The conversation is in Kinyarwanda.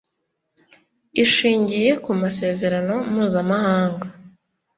Ishingiye ku Masezerano mpuzamahanga